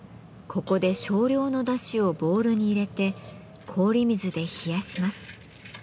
ここで少量のだしをボウルに入れて氷水で冷やします。